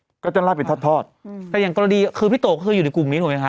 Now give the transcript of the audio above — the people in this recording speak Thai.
มันก็จะไล่เป็นทอดทอดอืมแต่อย่างกรณีคือพี่โตก็คืออยู่ในกลุ่มนี้ถูกไหมฮ